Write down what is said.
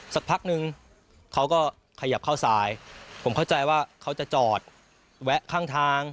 สักพักนึงเขาก็ขยับเข้าซ้ายผมเข้าใจว่าเขาจะจอดแวะข้างทาง